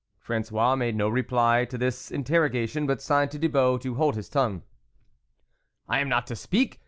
" Fran9ois made no reply to this inter rogation, but signed to Thibault to hold his tongue. " I am not to speak